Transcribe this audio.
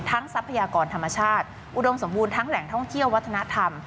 ทรัพยากรธรรมชาติอุดมสมบูรณ์ทั้งแหล่งท่องเที่ยววัฒนธรรม